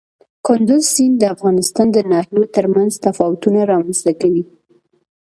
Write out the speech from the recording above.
کندز سیند د افغانستان د ناحیو ترمنځ تفاوتونه رامنځ ته کوي.